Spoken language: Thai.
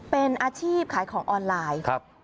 เป็นอาชีพขายของออนไลน์